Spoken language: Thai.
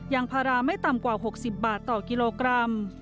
ยางพาราไม่ต่ำกว่า๖๐บาทต่อกิโลกรัม